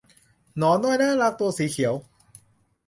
หนอนน้อยน่ารักตัวสีเขียว